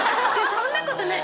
そんなことない。